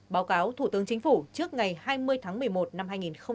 báo cáo thủ tướng chính phủ trước ngày hai mươi tháng một mươi một năm hai nghìn hai mươi